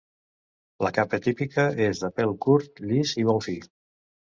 La capa típica és de pèl curt, llis i molt fi.